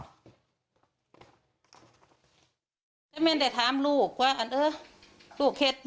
แม่มันได้ถามลูกว่าเออลูกเห็นป่ะ